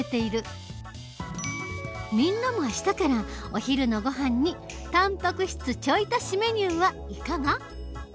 みんなも明日からお昼のごはんにたんぱく質ちょい足しメニューはいかが？